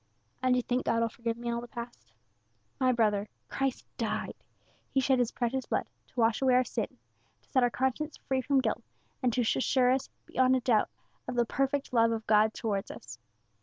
"And you think God will forgive me all the past?" "My brother, Christ died He shed His precious blood, to wash away our sin, to set our conscience free from guilt, and to assure us beyond a doubt of the perfect love of God towards us."